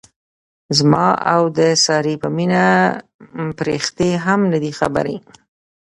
زما او د سارې په مینه پریښتې هم نه دي خبرې.